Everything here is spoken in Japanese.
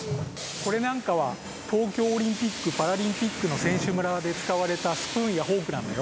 これなんかはとうきょうオリンピックパラリンピックのせんしゅむらでつかわれたスプーンやフォークなんだよ。